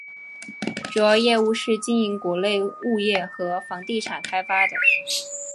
主要业务是经营国内物业和房地产开发的。